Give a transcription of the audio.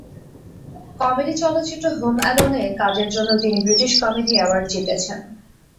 Comedy চলচ্চিত্র home অ্যালোন-এ কাজের জন্য তিনি ব্রিটিশ কমেডি অ্যাওয়ার্ড জিতেছেন।